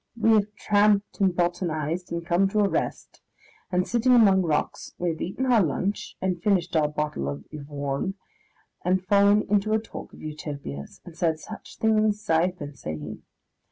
We have tramped and botanised and come to a rest, and, sitting among rocks, we have eaten our lunch and finished our bottle of Yvorne, and fallen into a talk of Utopias, and said such things as I have been saying.